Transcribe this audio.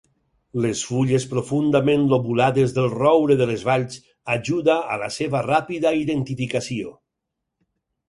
Les fulles profundament lobulades del roure de les valls ajuda a la seva ràpida identificació.